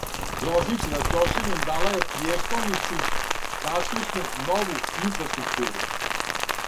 Грозница за трошењем дала је пријестолници раскошну нову инфраструктуру.